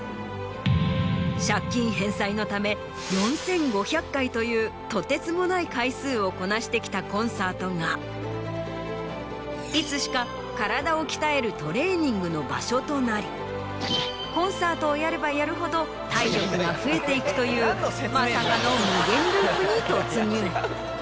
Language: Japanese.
借金返済のため４５００回というとてつもない回数をこなしてきたコンサートがいつしか体を鍛えるトレーニングの場所となりコンサートをやればやるほど体力が増えていくというまさかの無限ループに突入。